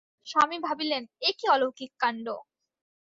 স্বামী ভাবিলেন, এ কী অলৌকিক কাণ্ড!